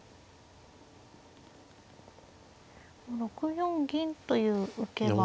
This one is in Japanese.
６四銀という受けは。